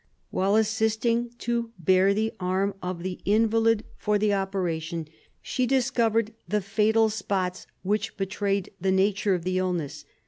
While assisting to bare the arm of the invalid for the operation, she discovered the fatal spots which betrayed the nature of the illness.